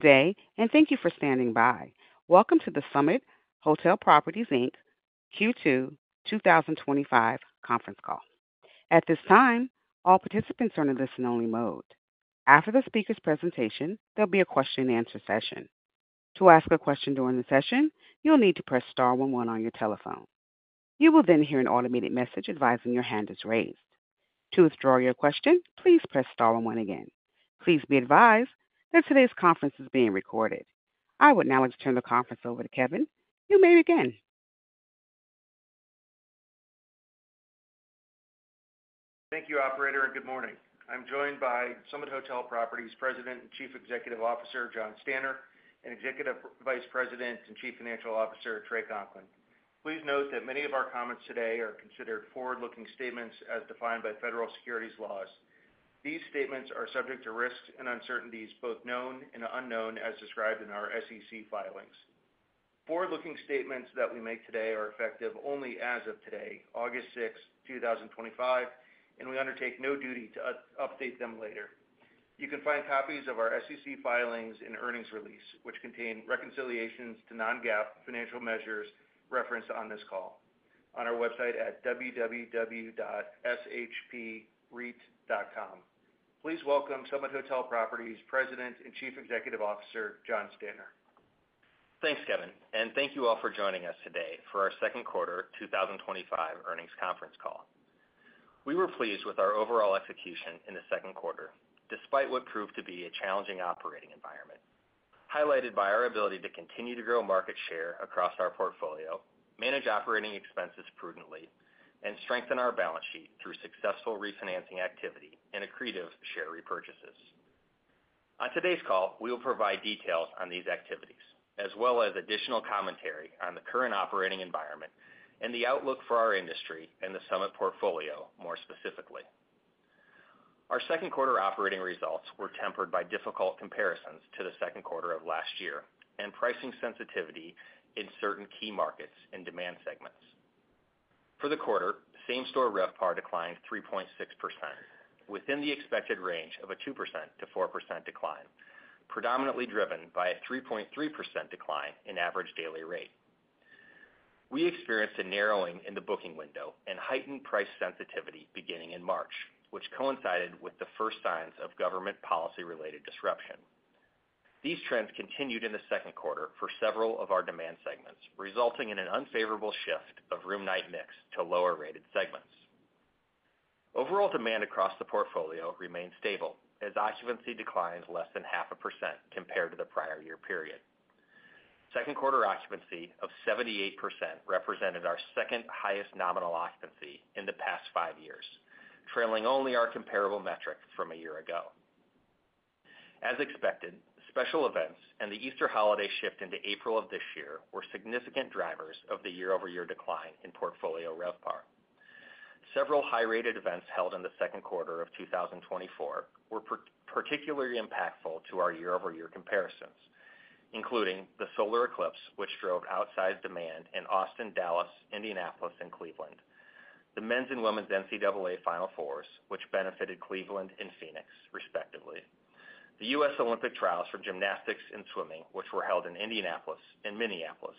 Thank you for standing by. Welcome to the Summit Hotel Properties, Inc Q2 2025 conference call. At this time, all participants are in a listen-only mode. After the speaker's presentation, there'll be a question-and-answer session. To ask a question during the session, you'll need to press star one one on your telephone. You will then hear an automated message advising your hand is raised. To withdraw your question, please press tar one one again. Please be advised that today's conference is being recorded. I would now like to turn the conference over to Kevin. You may begin. Thank you, Operator, and good morning. I'm joined by Summit Hotel Properties President and Chief Executive Officer Jon Stanner and Executive Vice President and Chief Financial Officer Trey Conkling. Please note that many of our comments today are considered forward-looking statements as defined by federal securities laws. These statements are subject to risks and uncertainties, both known and unknown, as described in our SEC filings. Forward-looking statements that we make today are effective only as of today, August 6, 2025, and we undertake no duty to update them later. You can find copies of our SEC filings in an earnings release, which contain reconciliations to non-GAAP financial measures referenced on this call, on our website at www.shpreit.com. Please welcome Summit Hotel Properties President and Chief Executive Officer Jon Stanner. Thanks, Kevin, and thank you all for joining us today for our second quarter 2025 earnings conference call. We were pleased with our overall execution in the second quarter, despite what proved to be a challenging operating environment, highlighted by our ability to continue to grow market share across our portfolio, manage operating expenses prudently, and strengthen our balance sheet through successful refinancing activity and accretive share repurchases. On today's call, we will provide details on these activities, as well as additional commentary on the current operating environment and the outlook for our industry and the Summit portfolio more specifically. Our second quarter operating results were tempered by difficult comparisons to the second quarter of last year and pricing sensitivity in certain key markets and demand segments. For the quarter, same-store RevPAR declined 3.6%, within the expected range of a 2% to 4% decline, predominantly driven by a 3.3% decline in average daily rate. We experienced a narrowing in the booking window and heightened price sensitivity beginning in March, which coincided with the first signs of government policy-related disruption. These trends continued in the second quarter for several of our demand segments, resulting in an unfavorable shift of room night mix to lower-rated segments. Overall demand across the portfolio remained stable, as occupancy declined less than half a percent compared to the prior year period. Second quarter occupancy of 78% represented our second highest nominal occupancy in the past five years, trailing only our comparable metric from a year ago. As expected, special events and the Easter holiday shift into April of this year were significant drivers of the year-over-year decline in portfolio RevPAR. Several high-rated events held in the second quarter of 2024 were particularly impactful to our year-over-year comparisons, including the solar eclipse, which drove outside demand in Austin, Dallas, Indianapolis, and Cleveland; the men's and women's NCAA Final Fours, which benefited Cleveland and Phoenix, respectively; the U.S. Olympic Trials for gymnastics and swimming, which were held in Indianapolis and Minneapolis;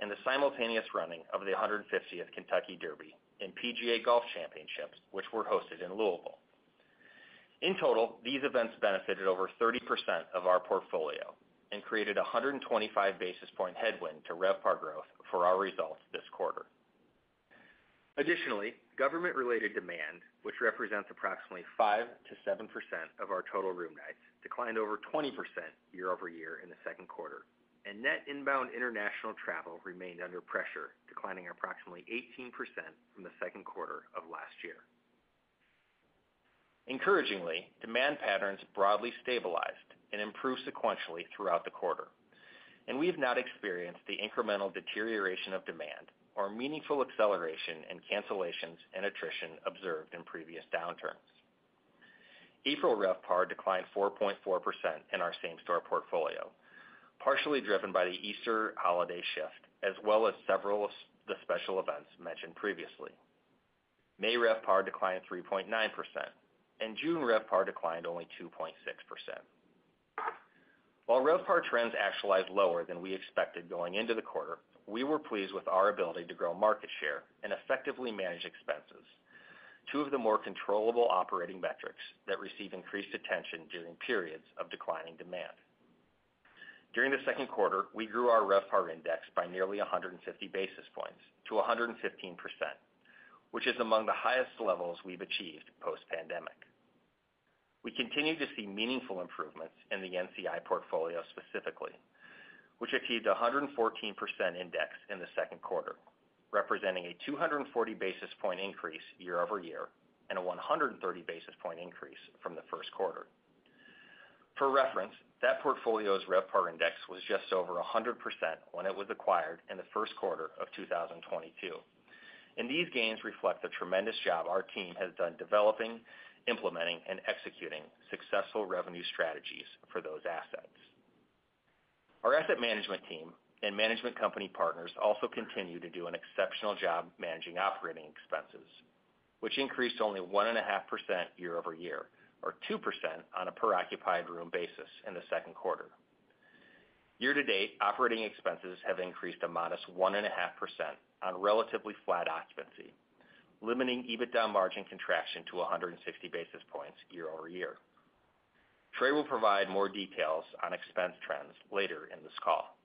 and the simultaneous running of the 150th Kentucky Derby and PGA Golf Championships, which were hosted in Louisville. In total, these events benefited over 30% of our portfolio and created a 125 basis point headwind to RevPAR growth for our results this quarter. Additionally, government-related demand, which represents approximately 5% to 7% of our total room nights, declined over 20% year-over-year in the second quarter, and net inbound international travel remained under pressure, declining approximately 18% from the second quarter of last year. Encouragingly, demand patterns broadly stabilized and improved sequentially throughout the quarter, and we have not experienced the incremental deterioration of demand or meaningful acceleration in cancellations and attrition observed in previous downturns. April RevPAR declined 4.4% in our same-store portfolio, partially driven by the Easter holiday shift, as well as several of the special events mentioned previously. May RevPAR declined 3.9%, and June RevPAR declined only 2.6%. While RevPAR trends actualized lower than we expected going into the quarter, we were pleased with our ability to grow market share and effectively manage expenses, two of the more controllable operating metrics that receive increased attention during periods of declining demand. During the second quarter, we grew our RevPAR Index by nearly 150 basis points to 115%, which is among the highest levels we've achieved post-pandemic. We continue to see meaningful improvements in the NCI Portfolio specifically, which achieved a 114% index in the second quarter, representing a 240 basis point increase year-over-year and a 130 basis point increase from the first quarter. For reference, that portfolio's RevPAR Index was just over 100% when it was acquired in the first quarter of 2022. These gains reflect the tremendous job our team has done developing, implementing, and executing successful revenue strategies for those assets. Our asset management team and management company partners also continue to do an exceptional job managing operating expenses, which increased only 1.5% year-over-year or 2% on a per-occupied room basis in the second quarter. Year-to-date, operating expenses have increased a modest 1.5% on relatively flat occupancy, limiting EBITDA margin contraction to 160 basis points year-over-year. Trey will provide more details on expense trends later in this call.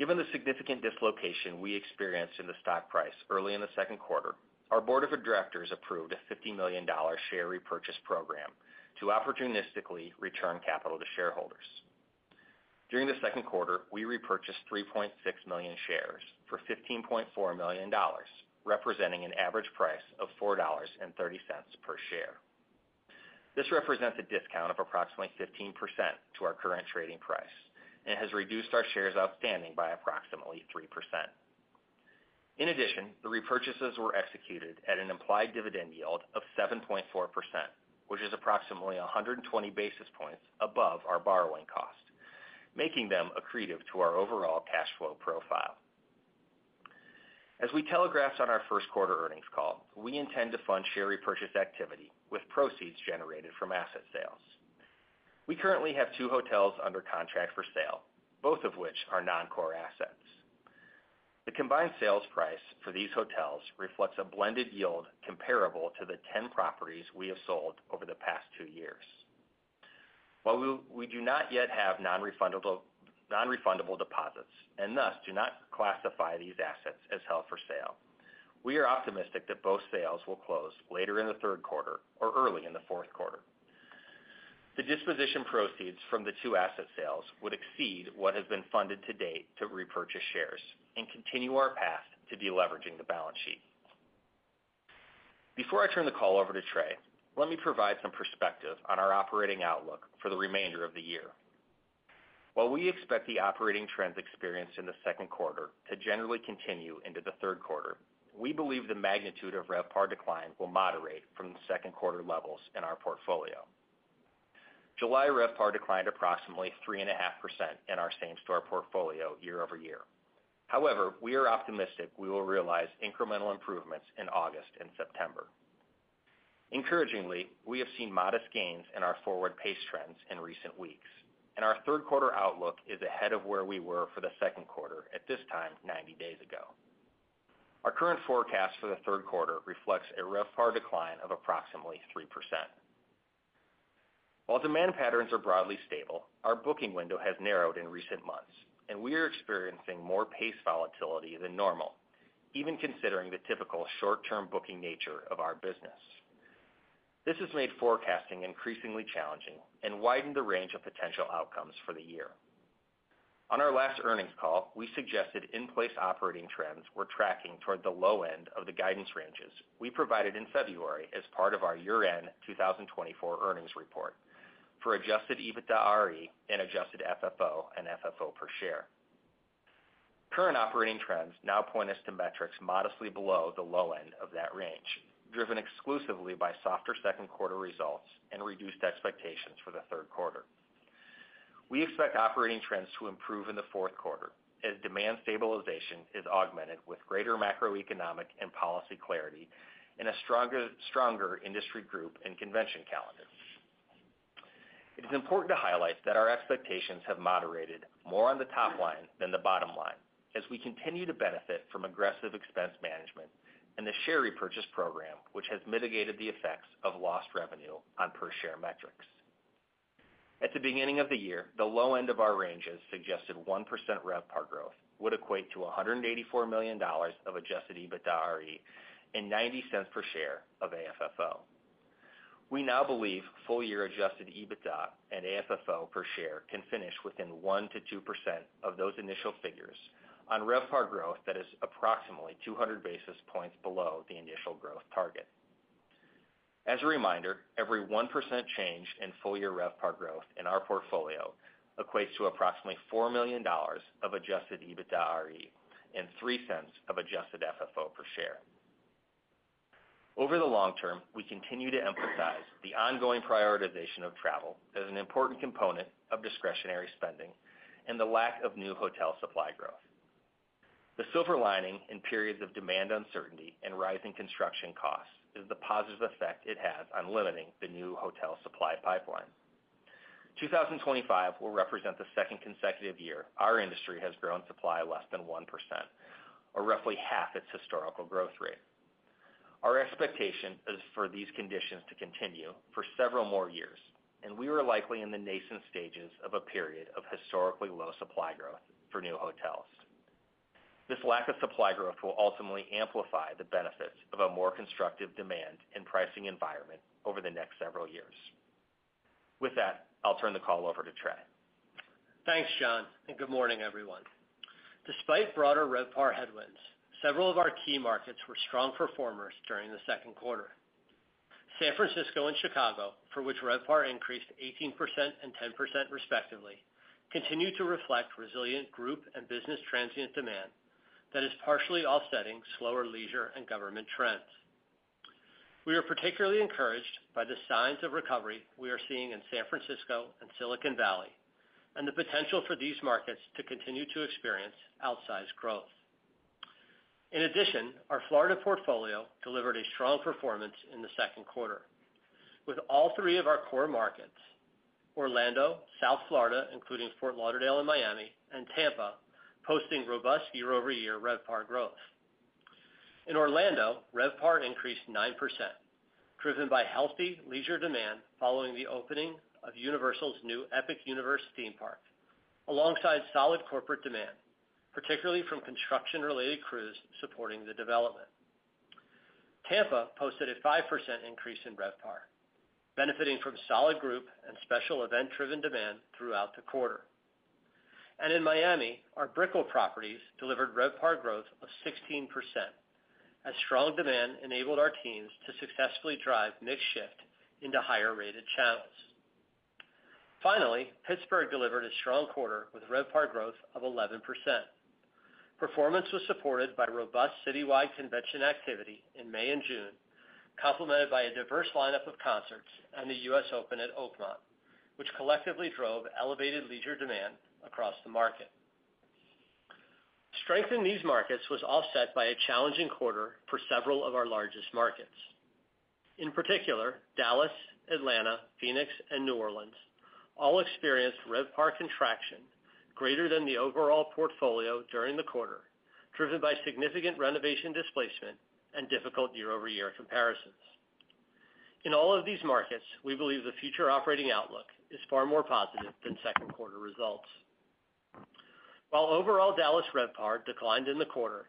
Given the significant dislocation we experienced in the stock price early in the second quarter, our Board of Directors approved a $50 million share repurchase program to opportunistically return capital to shareholders. During the second quarter, we repurchased 3.6 million shares for $15.4 million, representing an average price of $4.30 per share. This represents a discount of approximately 15% to our current trading price and has reduced our shares outstanding by approximately 3%. In addition, the repurchases were executed at an implied dividend yield of 7.4%, which is approximately 120 basis points above our borrowing cost, making them accretive to our overall cash flow profile. As we telegraphed on our first quarter earnings call, we intend to fund share repurchase activity with proceeds generated from asset sales. We currently have two hotels under contract for sale, both of which are non-core assets. The combined sales price for these hotels reflects a blended yield comparable to the 10 properties we have sold over the past two years. While we do not yet have non-refundable deposits and thus do not classify these assets as held for sale, we are optimistic that both sales will close later in the third quarter or early in the fourth quarter. The disposition proceeds from the two asset sales would exceed what has been funded to date to repurchase shares and continue our path to deleveraging the balance sheet. Before I turn the call over to Trey, let me provide some perspective on our operating outlook for the remainder of the year. While we expect the operating trends experienced in the second quarter to generally continue into the third quarter, we believe the magnitude of RevPAR decline will moderate from the second quarter levels in our portfolio. July RevPAR declined approximately 3.5% in our same-store portfolio year-over-year; however, we are optimistic we will realize incremental improvements in August and September. Encouragingly, we have seen modest gains in our forward pace trends in recent weeks, and our third quarter outlook is ahead of where we were for the second quarter at this time 90 days ago. Our current forecast for the third quarter reflects a RevPAR decline of approximately 3%. While demand patterns are broadly stable, our booking window has narrowed in recent months, and we are experiencing more pace volatility than normal, even considering the typical short-term booking nature of our business. This has made forecasting increasingly challenging and widened the range of potential outcomes for the year. On our last earnings call, we suggested in-place operating trends were tracking toward the low end of the guidance ranges we provided in February as part of our year-end 2024 earnings report for adjusted EBITDAre and adjusted FFO and FFO per share. Current operating trends now point us to metrics modestly below the low end of that range, driven exclusively by softer second quarter results and reduced expectations for the third quarter. We expect operating trends to improve in the fourth quarter, as demand stabilization is augmented with greater macroeconomic and policy clarity and a stronger industry group and convention calendar. It is important to highlight that our expectations have moderated more on the top line than the bottom line, as we continue to benefit from aggressive expense management and the share repurchase program, which has mitigated the effects of lost revenue on per-share metrics. At the beginning of the year, the low end of our ranges suggested 1% RevPAR growth would equate to $184 million of adjusted EBITDAre and $0.90 per share of AFFO. We now believe full-year adjusted EBITDA and AFFO per share can finish within 1% to 2% of those initial figures on RevPAR growth that is approximately 200 basis points below the initial growth target. As a reminder, every 1% change in full-year RevPAR growth in our portfolio equates to approximately $4 million of adjusted EBITDAre and $0.03 of adjusted FFO per share. Over the long term, we continue to emphasize the ongoing prioritization of travel as an important component of discretionary spending and the lack of new hotel supply growth. The silver lining in periods of demand uncertainty and rising construction costs is the positive effect it has on limiting the new hotel supply pipeline. 2025 will represent the second consecutive year our industry has grown supply less than 1%, or roughly half its historical growth rate. Our expectation is for these conditions to continue for several more years, and we are likely in the nascent stages of a period of historically low supply growth for new hotels. This lack of supply growth will ultimately amplify the benefits of a more constructive demand and pricing environment over the next several years. With that, I'll turn the call over to Trey. Thanks, Jon, and good morning, everyone. Despite broader RevPAR headwinds, several of our key markets were strong performers during the second quarter. San Francisco and Chicago, for which RevPAR increased 18% and 10% respectively, continue to reflect resilient group and business transient demand that is partially offsetting slower leisure and government trends. We are particularly encouraged by the signs of recovery we are seeing in San Francisco and Silicon Valley and the potential for these markets to continue to experience outsized growth. In addition, our Florida portfolio delivered a strong performance in the second quarter, with all three of our core markets, Orlando, South Florida, including Fort Lauderdale and Miami, and Tampa posting robust year-over-year RevPAR growth. In Orlando, RevPAR increased 9%, driven by healthy leisure demand following the opening of Universal's new Epic Universe theme park, alongside solid corporate demand, particularly from construction-related crews supporting the development. Tampa posted a 5% increase in RevPAR, benefiting from solid group and special event-driven demand throughout the quarter. And in Miami, our Brickell properties delivered RevPAR growth of 16%, as strong demand enabled our teams to successfully drive mix shift into higher rated channels. Finally, Pittsburgh delivered a strong quarter with RevPAR growth of 11%. Performance was supported by robust citywide convention activity in May and June, complemented by a diverse lineup of concerts and the US Open at Oakmont, which collectively drove elevated leisure demand across the market. Strength in these markets was offset by a challenging quarter for several of our largest markets. In particular, Dallas, Atlanta, Phoenix, and New Orleans all experienced RevPAR contraction greater than the overall portfolio during the quarter, driven by significant renovation displacement and difficult year-over-year comparisons. In all of these markets, we believe the future operating outlook is far more positive than second quarter results. While overall Dallas RevPAR declined in the quarter,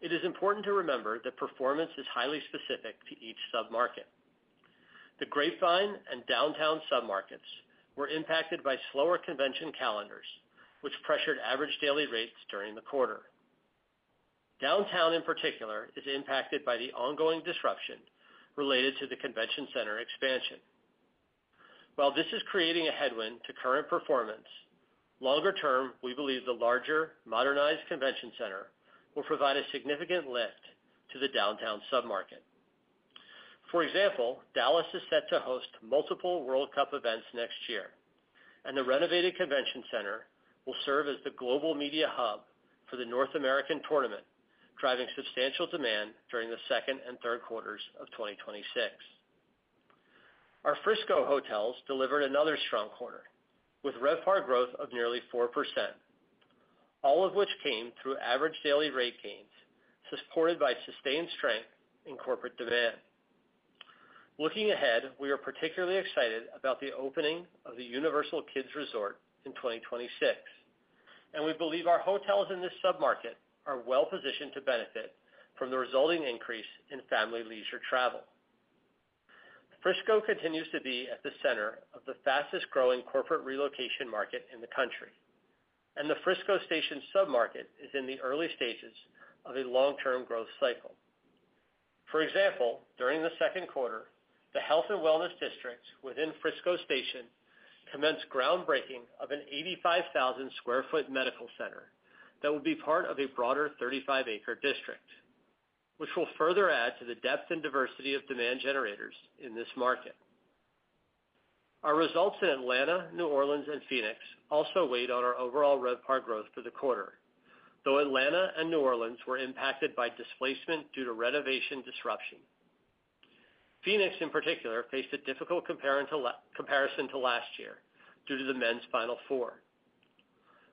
it is important to remember that performance is highly specific to each submarket. The Grapevine and Downtown submarkets were impacted by slower convention calendars, which pressured average daily rates during the quarter. Downtown, in particular, is impacted by the ongoing disruption related to the convention center expansion. While this is creating a headwind to current performance, longer term, we believe the larger, modernized convention center will provide a significant lift to the Downtown submarket. For example, Dallas is set to host multiple World Cup events next year, and the Renovated Convention Center will serve as the global media hub for the North American tournament, driving substantial demand during the second and third quarters of 2026. Our Frisco hotels delivered another strong quarter, with RevPAR growth of nearly 4%, all of which came through average daily rate gains supported by sustained strength in corporate demand. Looking ahead, we are particularly excited about the opening of the Universal Kids Resort in 2026, and we believe our hotels in this submarket are well positioned to benefit from the resulting increase in family leisure travel. Frisco continues to be at the center of the fastest growing corporate relocation market in the country, and the Frisco Station submarket is in the early stages of a long-term growth cycle. For example, during the second quarter, the health and wellness districts within Frisco Station commenced groundbreaking of an 85,000 square foot medical center that will be part of a broader 35-acre district, which will further add to the depth and diversity of demand generators in this market. Our results in Atlanta, New Orleans, and Phoenix also weighed on our overall RevPAR growth for the quarter, though Atlanta and New Orleans were impacted by displacement due to renovation disruption. Phoenix, in particular, faced a difficult comparison to last year due to the men's Final Four.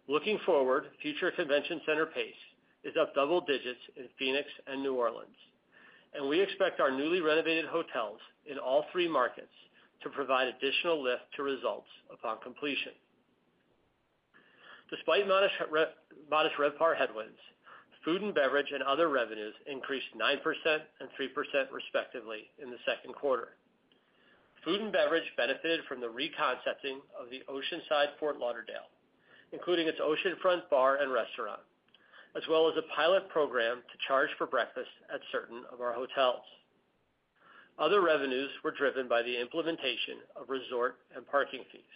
Looking forward, future convention center pace is up double digits in Phoenix and New Orleans, and we expect our newly renovated hotels in all three markets to provide additional lift to results upon completion. Despite modest RevPAR headwinds, food and beverage and other revenues increased 9% and 3% respectively in the second quarter. Food and beverage benefited from the reconcepting of the Courtyard Oceanside Fort Lauderdale Beach, including its oceanfront bar and restaurant, as well as a pilot program to charge for breakfast at certain of our hotels. Other revenues were driven by the implementation of resort and parking fees.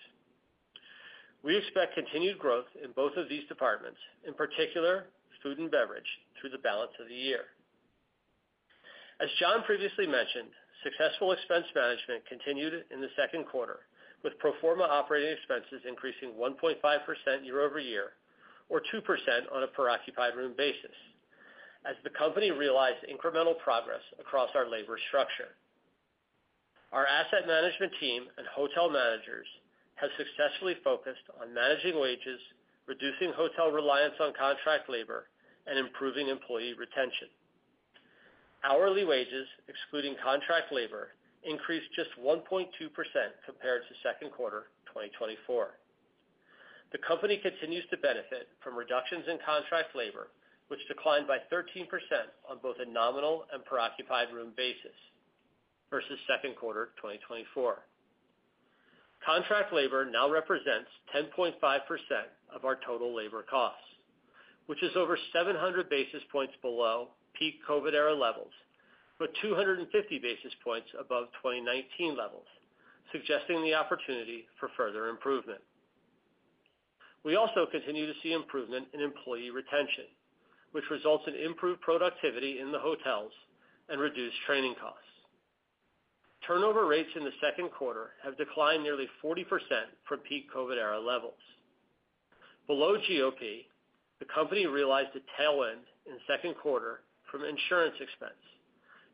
We expect continued growth in both of these departments, in particular food and beverage, through the balance of the year. As Jon previously mentioned, successful expense management continued in the second quarter, with pro forma operating expenses increasing 1.5% year-over-year or 2% on a per-occupied room basis, as the company realized incremental progress across our labor structure. Our asset management team and hotel managers have successfully focused on managing wages, reducing hotel reliance on contract labor, and improving employee retention. Hourly wages, excluding contract labor, increased just 1.2% compared to second quarter 2023. The company continues to benefit from reductions in contract labor, which declined by 13% on both a nominal and per-occupied room basis versus second quarter 2023. Contract labor now represents 10.5% of our total labor costs, which is over 700 basis points below peak COVID-era levels, but 250 basis points above 2019 levels, suggesting the opportunity for further improvement. We also continue to see improvement in employee retention, which results in improved productivity in the hotels and reduced training costs. Turnover rates in the second quarter have declined nearly 40% from peak COVID-era levels. Below GOP, the company realized a tailwind in the second quarter from insurance expense,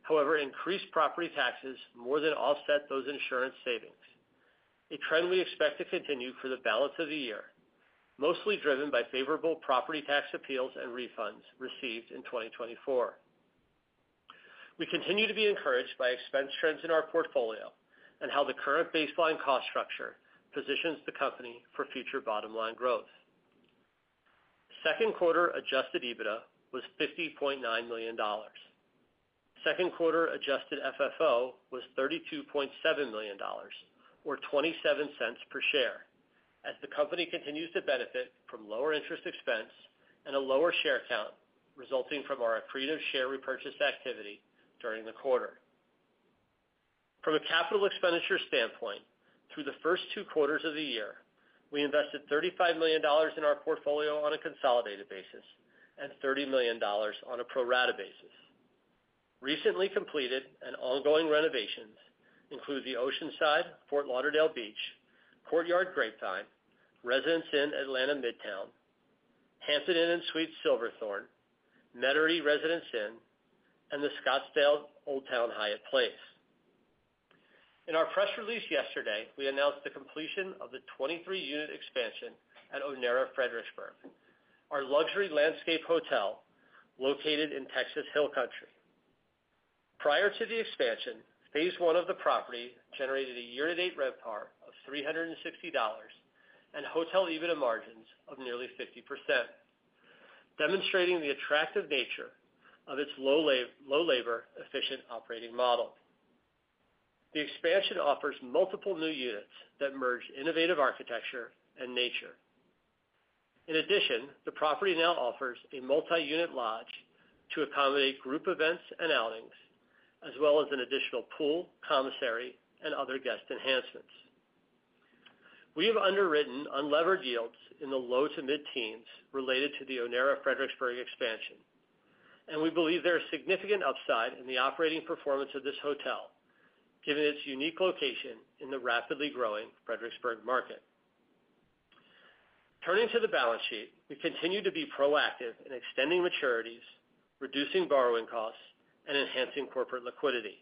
however, increased property taxes more than offset those insurance savings, a trend we expect to continue for the balance of the year, mostly driven by favorable property tax appeals and refunds received in 2023. We continue to be encouraged by expense trends in our portfolio and how the current baseline cost structure positions the company for future bottom-line growth. Second quarter adjusted EBITDA was $50.9 million. Second quarter adjusted FFO was $32.7 million, or $0.27 per share, as the company continues to benefit from lower interest expense and a lower share count resulting from our accretive share repurchase activity during the quarter. From a capital expenditure standpoint, through the first two quarters of the year, we invested $35 million in our portfolio on a consolidated basis and $30 million on a pro rata basis. Recently completed and ongoing renovations include the Courtyard Oceanside Fort Lauderdale Beach, Courtyard Grapevine, Residence Inn Atlanta Midtown, Hampton Inn & Suites Silverthorne, Nettarie Residence Inn, and the Scottsdale Old Town Hyatt Place. In our press release yesterday, we announced the completion of the 23-unit expansion at Onera Fredericksburg, our luxury landscape hotel located in Texas Hill Country. Prior to the expansion, phase one of the property generated a year-to-date RevPAR of $360 and hotel EBITDA margins of nearly 50%, demonstrating the attractive nature of its low labor, efficient operating model. The expansion offers multiple new units that merge innovative architecture and nature. In addition, the property now offers a multi-unit lodge to accommodate group events and outings, as well as an additional pool, commissary, and other guest enhancements. We have underwritten unlevered yields in the low to mid-teens related to the Onera Fredericksburg expansion, and we believe there is significant upside in the operating performance of this hotel, given its unique location in the rapidly growing Fredericksburg market. Turning to the balance sheet, we continue to be proactive in extending maturities, reducing borrowing costs, and enhancing corporate liquidity.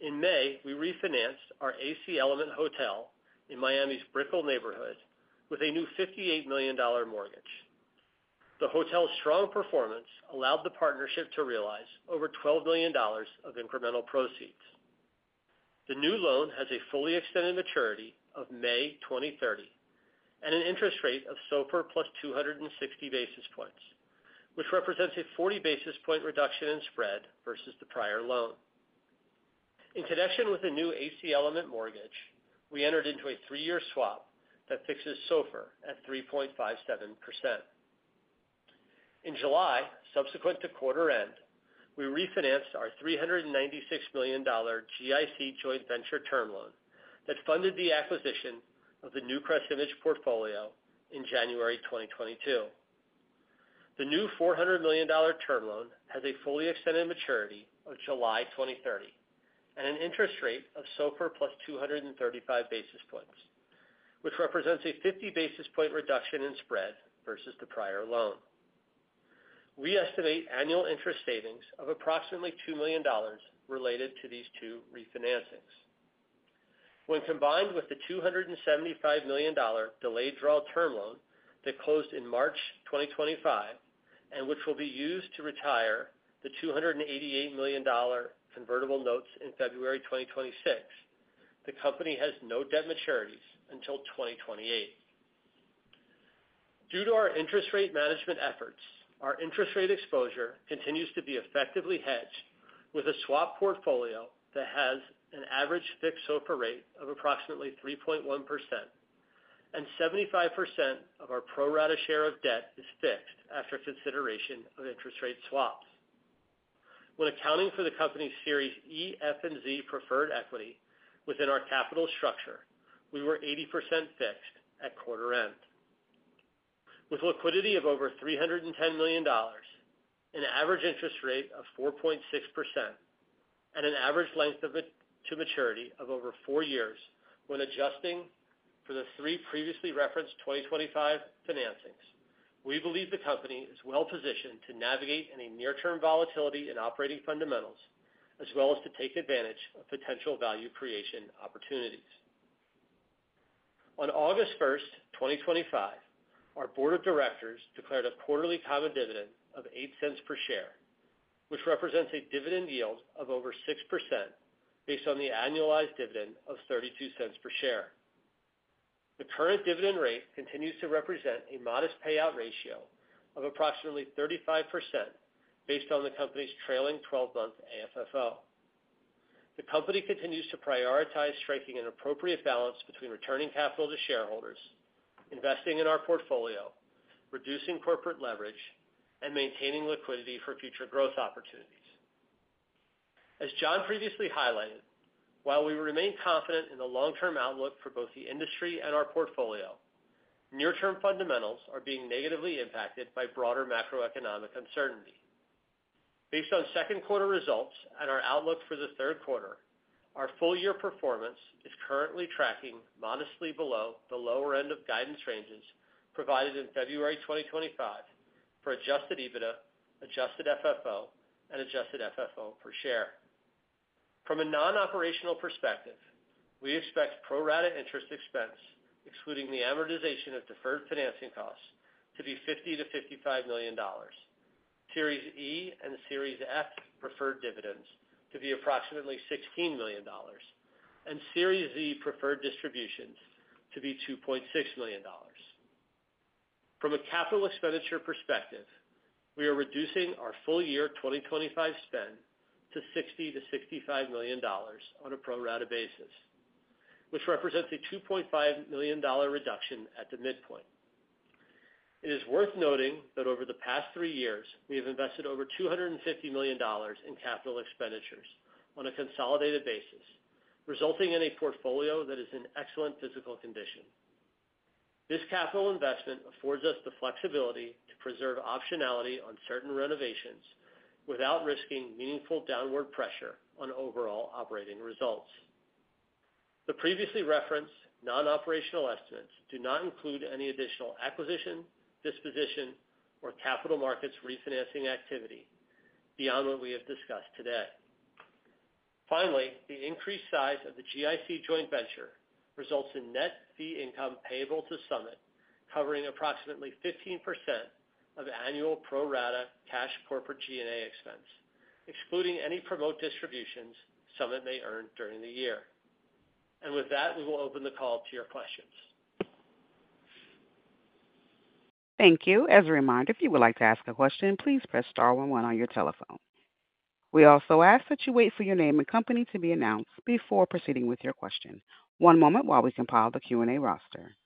In May, we refinanced our AC Element Hotel in Miami's Brickell neighborhood with a new $58 million mortgage. The hotel's strong performance allowed the partnership to realize over $12 million of incremental proceeds. The new loan has a fully extended maturity of May 2030 and an interest rate of SOFR plus 260 basis points, which represents a 40 basis point reduction in spread versus the prior loan. In connection with the new AC Element mortgage, we entered into a three-year swap that fixes SOFR at 3.57%. In July, subsequent to quarter end, we refinanced our $396 million GIC joint venture term loan that funded the acquisition of the new Crescentage portfolio in January 2022. The new $400 million term loan has a fully extended maturity of July 2030 and an interest rate of SOFR plus 235 basis points, which represents a 50 basis point reduction in spread versus the prior loan. We estimate annual interest savings of approximately $2 million related to these two refinancings. When combined with the $275 million delayed draw term loan that closed in March 2025 and which will be used to retire the $288 million convertible notes in February 2026, the company has no debt maturities until 2028. Due to our interest rate management efforts, our interest rate exposure continues to be effectively hedged with a swap portfolio that has an average fixed SOFR rate of approximately 3.1%, and 75% of our pro rata share of debt is fixed after consideration of interest rate swaps. When accounting for the company's Series E, F, and Z preferred equity within our capital structure, we were 80% fixed at quarter end. With liquidity of over $310 million, an average interest rate of 4.6%, and an average length to maturity of over four years when adjusting for the three previously referenced 2025 financings, we believe the company is well positioned to navigate any near-term volatility in operating fundamentals, as well as to take advantage of potential value creation opportunities. On August 1, 2025, our Board of Directors declared a quarterly common dividend of $0.08 per share, which represents a dividend yield of over 6% based on the annualized dividend of $0.32 per share. The current dividend rate continues to represent a modest payout ratio of approximately 35% based on the company's trailing 12-month AFFO. The company continues to prioritize striking an appropriate balance between returning capital to shareholders, investing in our portfolio, reducing corporate leverage, and maintaining liquidity for future growth opportunities. As Jon previously highlighted, while we remain confident in the long-term outlook for both the industry and our portfolio, near-term fundamentals are being negatively impacted by broader macroeconomic uncertainty. Based on second quarter results and our outlook for the third quarter, our full-year performance is currently tracking modestly below the lower end of guidance ranges provided in February 2025 for adjusted EBITDA, adjusted FFO, and adjusted FFO per share. From a non-operational perspective, we expect pro rata interest expense, excluding the amortization of deferred financing costs, to be $50 to $55 million, Series E and Series F preferred dividends to be approximately $16 million, and Series Z preferred distributions to be $2.6 million. From a capital expenditure perspective, we are reducing our full-year 2025 spend to $60 to $65 million on a pro rata basis, which represents a $2.5 million reduction at the midpoint. It is worth noting that over the past three years, we have invested over $250 million in capital expenditures on a consolidated basis, resulting in a portfolio that is in excellent physical condition. This capital investment affords us the flexibility to preserve optionality on certain renovations without risking meaningful downward pressure on overall operating results. The previously referenced non-operational estimates do not include any additional acquisition, disposition, or capital markets refinancing activity beyond what we have discussed today. Finally, the increased size of the GIC joint venture results in net fee income payable to Summit, covering approximately 15% of annual pro rata cash corporate G&A expense, excluding any promote distributions Summit may earn during the year. With that, we will open the call to your questions. Thank you. As a reminder, if you would like to ask a question, please press star one one on your telephone. We also ask that you wait for your name and company to be announced before proceeding with your question. One moment while we compile the Q&A roster.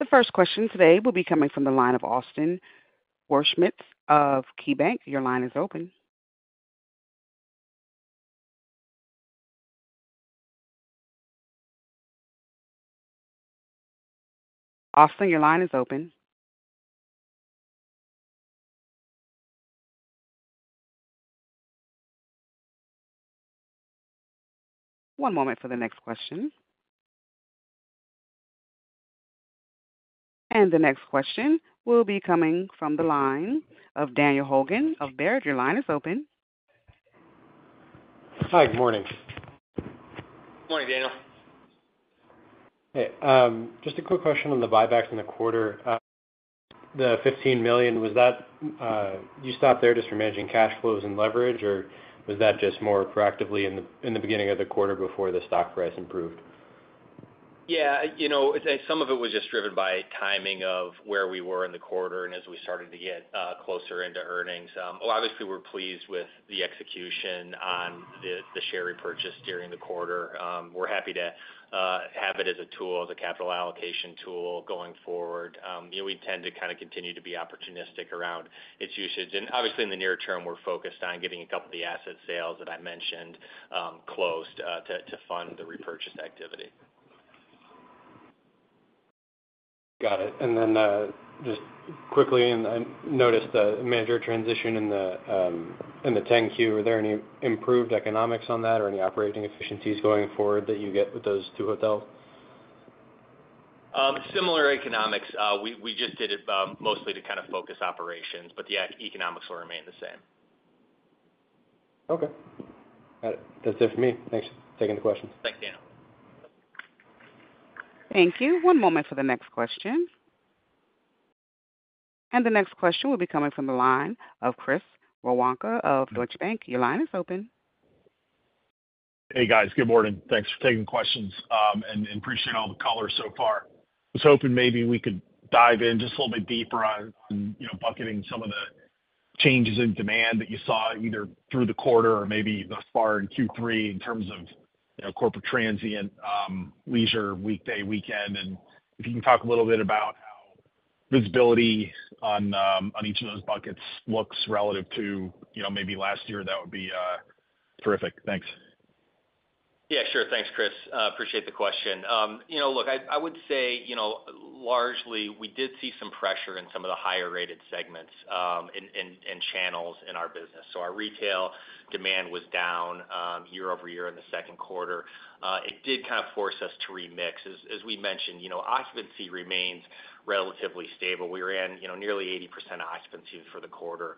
The first question today will be coming from the line of Austin Wurschmidt of KeyBanc. Your line is open. Austin, your line is open. One moment for the next question. And the next question will be coming from the line of Daniel Hogan of Baird. Your line is open. Hi, good morning. Morning, Daniel. Hey, just a quick question on the buybacks in the quarter. The $15 million, was that, you stopped there just for managing cash flows and leverage, or was that just more proactively in the beginning of the quarter before the stock price improved? Yeah, some of it was just driven by timing of where we were in the quarter as we started to get closer into earnings. Obviously, we're pleased with the execution on the share repurchase during the quarter. We're happy to have it as a tool, as a capital allocation tool going forward. We tend to kind of continue to be opportunistic around its usage. Obviously, in the near term, we're focused on getting a couple of the asset sales that I mentioned closed to fund the repurchase activity. Got it. And then I noticed the major transition in the 10-Q. Were there any improved economics on that or any operating efficiencies going forward that you get with those two hotels? Similar economics. We just did it mostly to kind of focus operations, but the economics will remain the same. Okay. Got it. That's it for me. Thanks for taking the questions. Thanks, Daniel. Thank you. One moment for the next question. And the next question will be coming from the line of Chris Woronka of Deutsche Bank. Your line is open. Hey, guys. Good morning. Thanks for taking questions and appreciating all the callers so far. I was hoping maybe we could dive in just a little bit deeper on bucketing some of the changes in demand that you saw either through the quarter or maybe thus far in Q3 in terms of corporate transient, leisure, weekday, weekend. If you can talk a little bit about how visibility on each of those buckets looks relative to maybe last year, that would be terrific. Thanks. Yeah, sure. Thanks, Chris. Appreciate the question. Look, I would say, you know, largely, we did see some pressure in some of the higher rated segments and channels in our business. Our retail demand was down year-over-year in the second quarter. It did kind of force us to remix. As we mentioned, occupancy remains relatively stable. We were in nearly 80% occupancy for the quarter,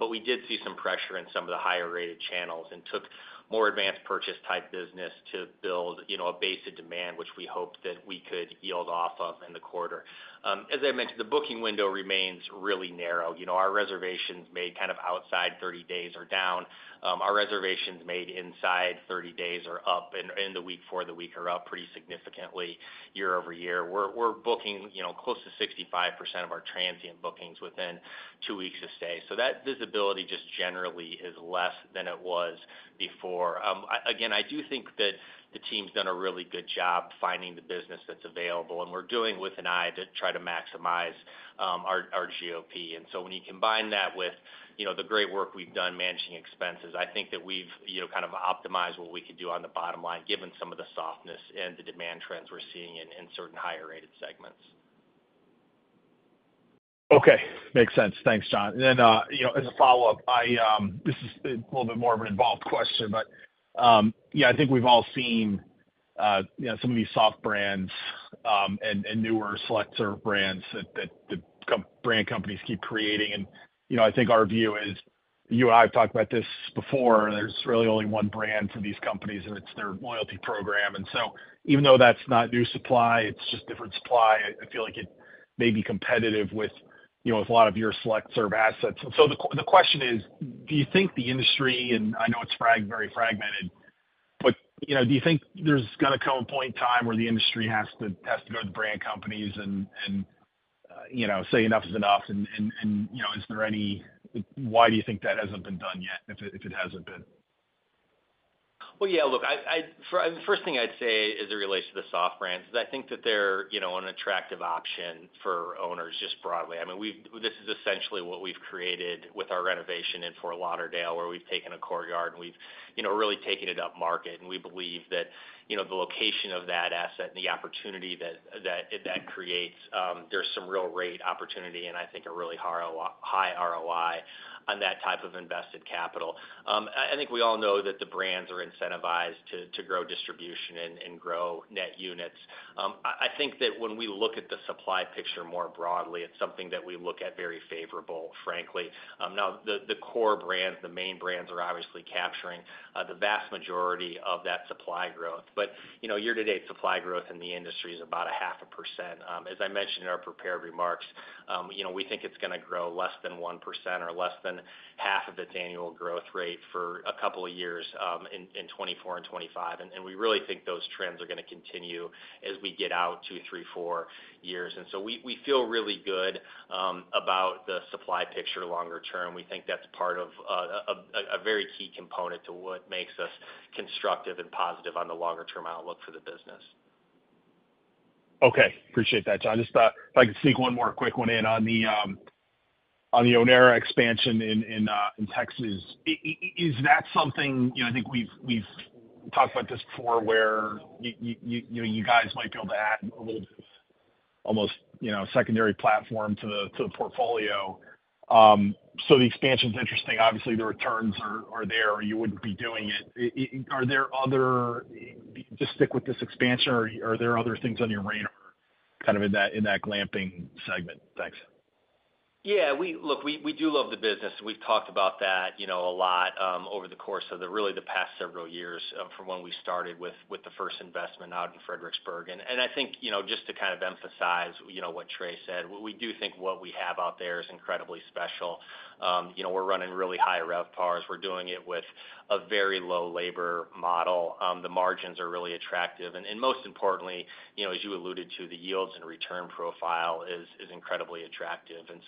but we did see some pressure in some of the higher rated channels and took more advanced purchase type business to build a base of demand, which we hope that we could yield off of in the quarter. As I mentioned, the booking window remains really narrow. Our reservations made outside 30 days are down. Our reservations made inside 30 days are up, and in the week for the week are up pretty significantly year-over-year. We're booking close to 65% of our transient bookings within two weeks of stay. That visibility just generally is less than it was before. Again, I do think that the team's done a really good job finding the business that's available, and we're doing it with an eye to try to maximize our GOP. When you combine that with the great work we've done managing expenses, I think that we've kind of optimized what we could do on the bottom line, given some of the softness and the demand trends we're seeing in certain higher rated segments. Okay. Makes sense. Thanks, Jon. As a follow-up, this is a little bit more of an involved question, but I think we've all seen some of these soft brands and newer select serve brands that the brand companies keep creating. I think our view is, you and I have talked about this before, there's really only one brand for these companies, and it's their loyalty program. Even though that's not new supply, it's just different supply. I feel like it may be competitive with a lot of your select serve assets. The question is, do you think the industry, and I know it's very fragmented, do you think there's going to come a point in time where the industry has to go to the brand companies and say enough is enough? Is there any, why do you think that hasn't been done yet if it hasn't been? Yeah. Look, the first thing I'd say as it relates to the soft brands is I think that they're, you know, an attractive option for owners just broadly. I mean, this is essentially what we've created with our renovation in Fort Lauderdale, where we've taken a Courtyard and we've, you know, really taken it up market. We believe that the location of that asset and the opportunity that that creates, there's some real rate opportunity and I think a really high ROI on that type of invested capital. I think we all know that the brands are incentivized to grow distribution and grow net units. I think that when we look at the supply picture more broadly, it's something that we look at very favorably, frankly. Now, the core brands, the main brands are obviously capturing the vast majority of that supply growth. But, Year-to-date supply growth in the industry is about 0.5%. As I mentioned in our prepared remarks, we think it's going to grow less than 1% or less than half of its annual growth rate for a couple of years in 2024 and 2025. We really think those trends are going to continue as we get out two, three, four years. We feel really good about the supply picture longer term. We think that's part of a very key component to what makes us constructive and positive on the longer-term outlook for the business. Okay. Appreciate that, Jon. Just thought if I could sneak one more quick one in on the Onera expansion in Texas. Is that something, you know, I think we've talked about this before, where you know, you guys might be able to add a little bit of almost, you know, secondary platform to the portfolio. The expansion is interesting. Obviously, the returns are there, or you wouldn't be doing it. Are there other, just stick with this expansion, or are there other things on your radar kind of in that glamping segment? Thanks. Yeah, look, we do love the business, and we've talked about that a lot over the course of the past several years from when we started with the first investment out in Fredericksburg. And I think, just to kind of emphasize what Trey said, we do think what we have out there is incredibly special. We're running really higher RevPARs. We're doing it with a very low labor model. The margins are really attractive. And most importantly, as you alluded to, the yields and return profile is incredibly attractive. And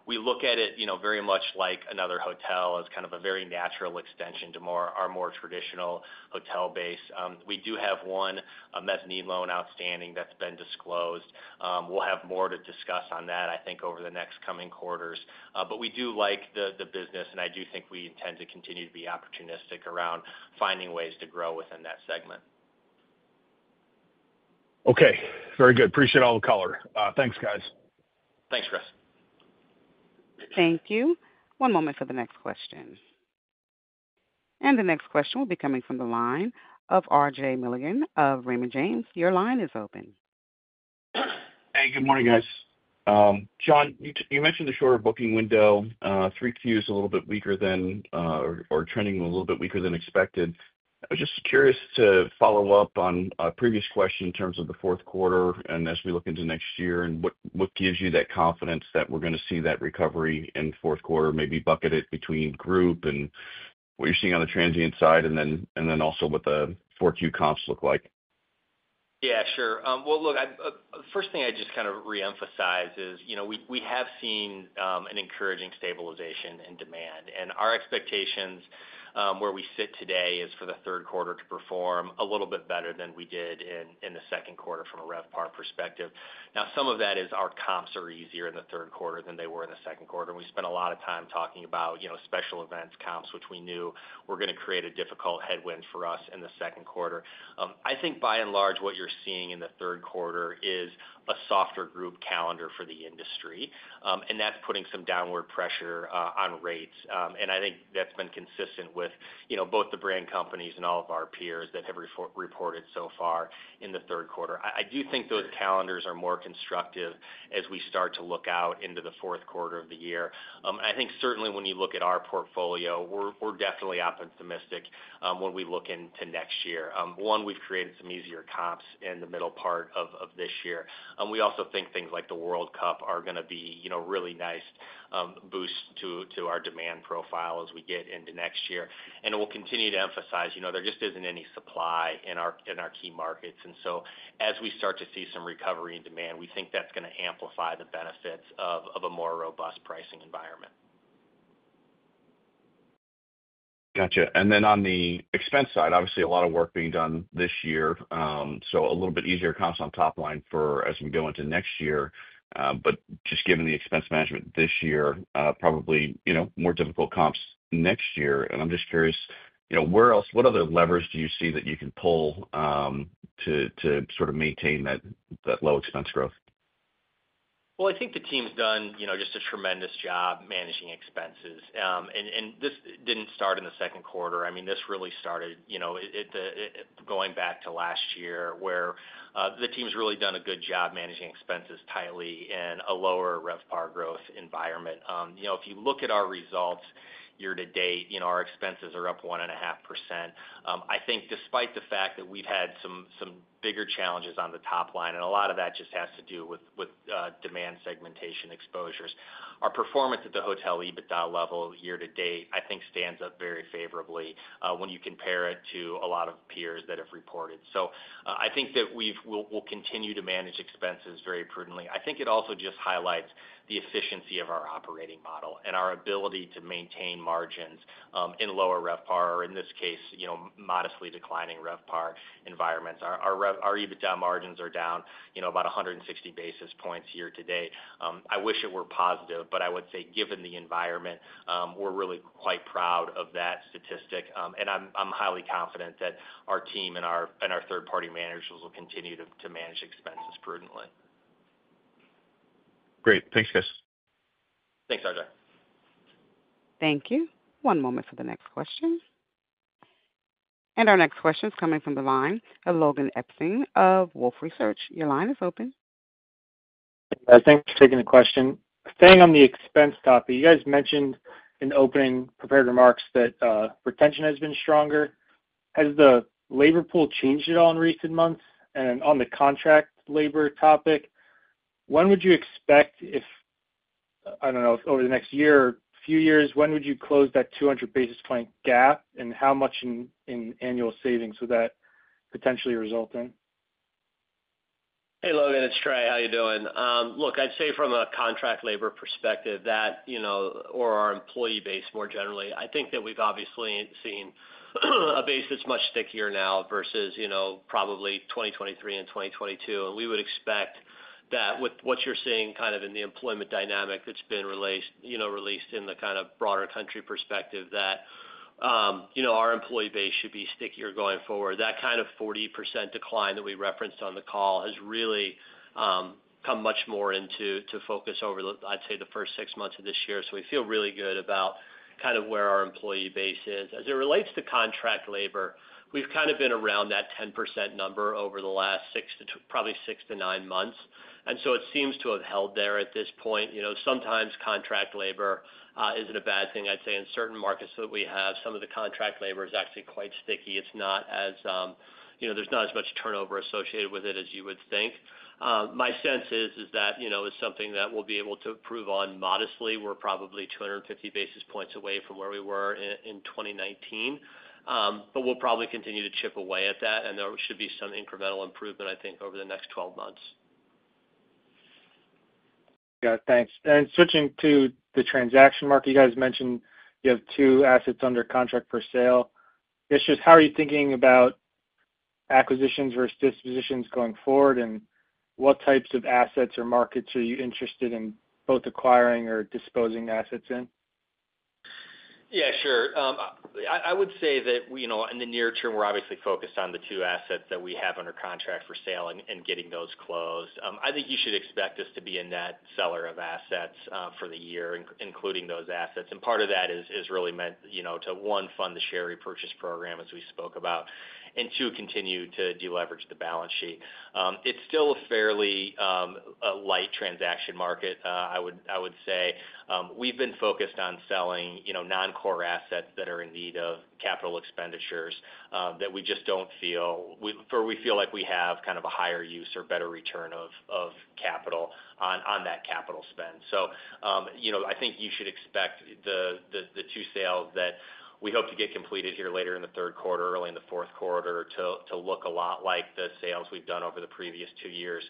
so, we look at it very much like another hotel as kind of a very natural extension to our more traditional hotel base. We do have one mezzanine loan outstanding that's been disclosed. We'll have more to discuss on that I think over the next coming quarters. But we do like the business, and I do think we intend to continue to be opportunistic around finding ways to grow within that segment. Okay. Very good. Appreciate all the color. Thanks, guys. Thanks, Chris. Thank you. One moment for the next question. And the next question will be coming from the line of RJ Milligan of Raymond James. Your line is open. Hey, good morning, guys. Jon, you mentioned the shorter booking window, 3Q is a little bit weaker than, or trending a little bit weaker than expected. I'm just curious to follow up on a previous question in terms of the fourth quarter and as we look into next year and what gives you that confidence that we're going to see that recovery in the fourth quarter, maybe bucketed between group and what you're seeing on the transient side, and then also what the 4Q comps look like. Yeah, sure. The first thing I just kind of reemphasized is, we have seen an encouraging stabilization in demand. Our expectations where we sit today is for the third quarter to perform a little bit better than we did in the second quarter from a RevPAR perspective. Now some of that is our comps are easier in the third quarter than they were in the second quarter. We spent a lot of time talking about, you know, special events comps, which we knew were going to create a difficult headwind for us in the second quarter. I think by and large, what you're seeing in the third quarter is a softer group calendar for the industry, and that's putting some downward pressure on rates. And I think that's been consistent with, both the brand companies and all of our peers that have reported so far in the third quarter. I do think those calendars are more constructive as we start to look out into the fourth quarter of the year. I think certainly when you look at our portfolio, we're definitely optimistic when we look into next year. One, we've created some easier comps in the middle part of this year. And we also think things like the World Cup are going to be really nice boosts to our demand profile as we get into next year. We'll continue to emphasize, you know, there just isn't any supply in our key markets. And so as we start to see some recovery in demand, we think that's going to amplify the benefits of a more robust pricing environment. Got you. And then on the expense side, obviously, a lot of work being done this year. So a little bit easier comps on top line as we go into next year. But just given the expense management this year, probably more difficult comps next year. I'm just curious, where else, what other levers do you see that you can pull to sort of maintain that low expense growth? Well, I think the team's done just a tremendous job managing expenses. And this didn't start in the second quarter. This really started going back to last year where the team's really done a good job managing expenses tightly in a lower RevPAR growth environment. If you look at our results year to date, our expenses are up 1.5%. I think despite the fact that we've had some bigger challenges on the top line, and a lot of that just has to do with demand segmentation exposures, our performance at the hotel EBITDA level year to date I think stands up very favorably when you compare it to a lot of peers that have reported. So, I think that we'll continue to manage expenses very prudently. I think it also just highlights the efficiency of our operating model and our ability to maintain margins in lower RevPAR, or in this case, modestly declining RevPAR environments. Our EBITDA margins are down about 160 basis points year to date. I wish it were positive, but I would say given the environment, we're really quite proud of that statistic. And I'm highly confident that our team and our third-party managers will continue to manage expenses prudently. Great. Thanks, guys. Thanks, RJ. Thank you. One moment for the next question. And our next question is coming from the line of Logan Epstein of Wolfe Research. Your line is open. Thanks for taking the question. Staying on the expense topic, you guys mentioned in opening prepared remarks that retention has been stronger. Has the labor pool changed at all in recent months? And on the contract labor topic, when would you expect, if I don't know, if over the next year or a few years, when would you close that 200 basis point gap and how much in annual savings would that potentially result in? Hey, Logan. It's Trey. How you doing? Look, I'd say from a contract labor perspective that, you know, or our employee base more generally, I think that we've obviously seen a base that's much stickier now versus, you know, probably 2023 and 2022. We would expect that with what you're seeing kind of in the employment dynamic that's been released, you know, released in the kind of broader country perspective that, you know, our employee base should be stickier going forward. That kind of 40% decline that we referenced on the call has really come much more into focus over, I'd say, the first six months of this year. So we feel really good about kind of where our employee base is. As it relates to contract labor, we've kind of been around that 10% number over the last six to probably six to nine months, and it seems to have held there at this point. Sometimes contract labor isn't a bad thing, I'd say, in certain markets that we have. Some of the contract labor is actually quite sticky. It's not as, you know, there's not as much turnover associated with it as you would think. My sense is that, it's something that we'll be able to improve on modestly. We're probably 250 basis points away from where we were in 2019, but we'll probably continue to chip away at that. There should be some incremental improvement, I think, over the next 12 months. Got it. Thanks. Switching to the transaction market, you guys mentioned you have two assets under contract for sale. How are you thinking about acquisitions versus dispositions going forward? What types of assets or markets are you interested in both acquiring or disposing assets in? Yeah, sure. I would say that, you know, in the near term, we're obviously focused on the two assets that we have under contract for sale and getting those closed. I think you should expect us to be a net seller of assets for the year, including those assets. Part of that is really meant, you know, to one, fund the share repurchase program, as we spoke about, and two, continue to deleverage the balance sheet. It's still a fairly light transaction market, I would say. We've been focused on selling, you know, non-core assets that are in need of capital expenditures that we just don't feel, or we feel like we have kind of a higher use or better return of capital on that capital spend. I think you should expect the two sales that we hope to get completed here later in the third quarter, early in the fourth quarter, to look a lot like the sales we've done over the previous two years,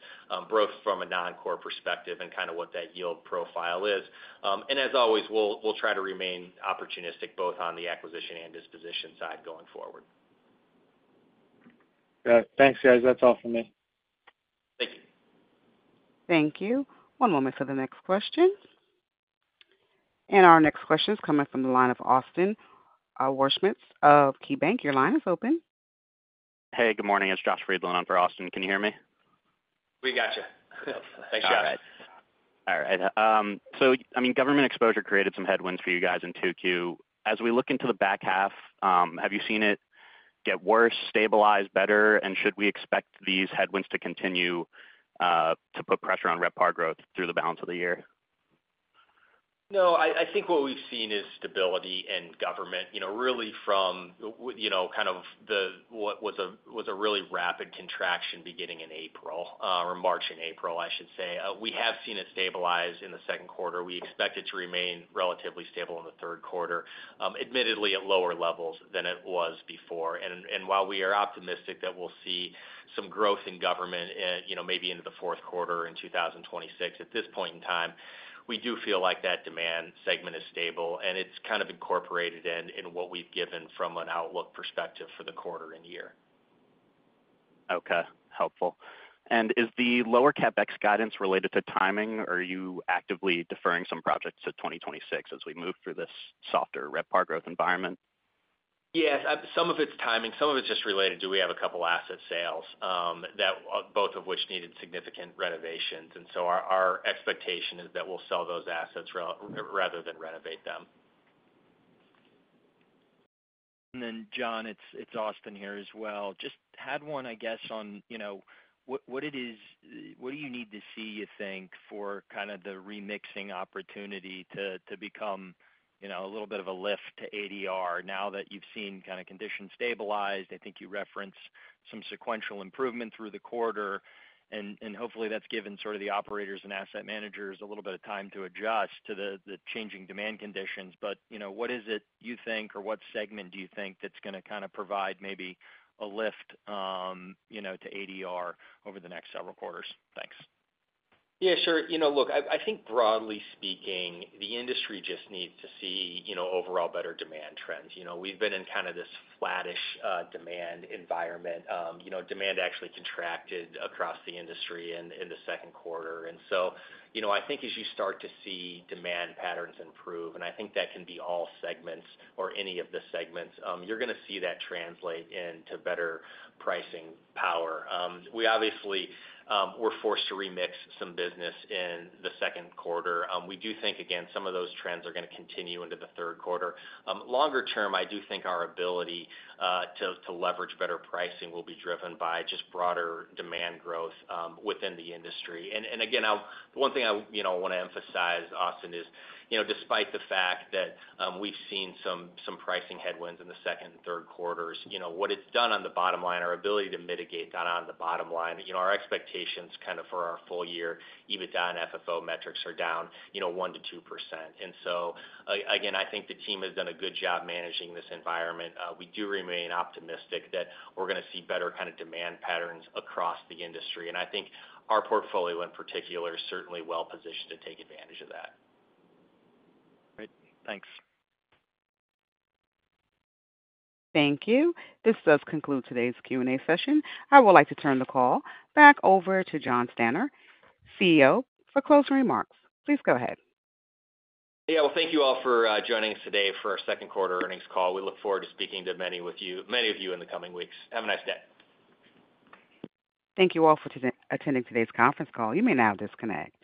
both from a non-core perspective and kind of what that yield profile is. As always, we'll try to remain opportunistic both on the acquisition and disposition side going forward. Got it. Thanks, guys. That's all for me. Thank you. Thank you. One moment for the next question. Our next question is coming from the line of Austin Wurschmidt of KeyBanc. Your line is open. Hey, good morning. It's Josh Friedland for Austin. Can you hear me? We got you. Hi, Josh. All right. Government exposure created some headwinds for you guys in 2Q. As we look into the back half, have you seen it get worse, stabilize, better, and should we expect these headwinds to continue to put pressure on RevPAR growth through the balance of the year? No, I think what we've seen is stability in government, really from what was a really rapid contraction beginning in March and April. We have seen it stabilize in the second quarter. We expect it to remain relatively stable in the third quarter, admittedly at lower levels than it was before. While we are optimistic that we'll see some growth in government, maybe into the fourth quarter in 2026, at this point in time, we do feel like that demand segment is stable and it's kind of incorporated in what we've given from an outlook perspective for the quarter and year. Okay. Helpful. Is the lower CapEx guidance related to timing, or are you actively deferring some projects to 2026 as we move through this softer RevPAR growth environment? Yeah, some of it's timing. Some of it's just related to we have a couple of asset sales, both of which needed significant renovations. Our expectation is that we'll sell those assets rather than renovate them. Jon, it's Austin here as well. I just had one on what it is, what do you need to see, you think, for kind of the remixing opportunity to become a little bit of a lift to ADR now that you've seen conditions stabilized? I think you referenced some sequential improvement through the quarter. Hopefully, that's given the operators and asset managers a little bit of time to adjust to the changing demand conditions. What is it you think, or what segment do you think is going to provide maybe a lift to ADR over the next several quarters? Thanks. Yeah, sure. I think broadly speaking, the industry just needs to see overall better demand trends. We've been in kind of this flattish demand environment. Demand actually contracted across the industry in the second quarter. I think as you start to see demand patterns improve, and I think that can be all segments or any of the segments, you're going to see that translate into better pricing power. We obviously were forced to remix some business in the second quarter. We do think some of those trends are going to continue into the third quarter. Longer term, I do think our ability to leverage better pricing will be driven by just broader demand growth within the industry. The one thing I want to emphasize, Austin, is despite the fact that we've seen some pricing headwinds in the second and third quarters, what it's done on the bottom line, our ability to mitigate on the bottom line, our expectations for our full year EBITDA and FFO metrics are down 1% to 2%. I think the team has done a good job managing this environment. We do remain optimistic that we're going to see better demand patterns across the industry. I think our portfolio in particular is certainly well positioned to take advantage of that. Great. Thanks. Thank you. This does conclude today's Q&A session. I would like to turn the call back over to Jon Stanner, CEO, for closing remarks. Please go ahead. Thank you all for joining us today for our second quarter earnings call. We look forward to speaking to many of you in the coming weeks. Have a nice day. Thank you all for attending today's conference call. You may now disconnect.